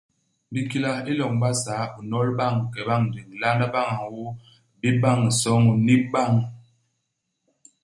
Bikila i loñ i Basaa. U n'nol bañ, u ke bañ i ndéng, u lalna bañ ñôô, u béb bañ nsoñ, u n'nip bañ.